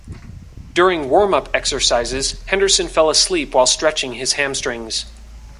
During warmup exercises Henderson fell asleep while stretching his hamstrings.